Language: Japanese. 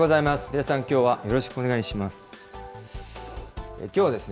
皆さん、きょうはよろしくお願いします。